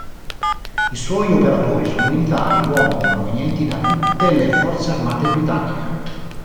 I suoi operatori sono militari, uomini, provenienti da tutte le forze armate britanniche.